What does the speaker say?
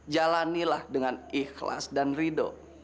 jalanilah dengan ikhlas dan ridho